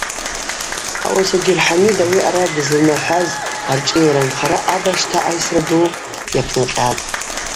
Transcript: Ауаса Джыр Хӏамид ауи аъара дызланахӏваз аршӏыйара нхара Абашта айсра Ду йапнакъьатӏ.